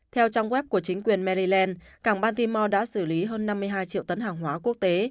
theo trong web của chính quyền maryland cảng baltimore đã xử lý hơn năm mươi hai triệu tấn hàng hóa quốc tế